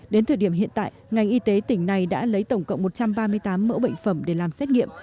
đến thời điểm hiện tại ngành y tế tỉnh này đã lấy tổng cộng một trăm ba mươi tám mẫu bệnh phẩm để làm xét nghiệm